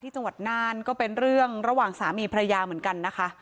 จังหวัดน่านก็เป็นเรื่องระหว่างสามีภรรยาเหมือนกันนะคะ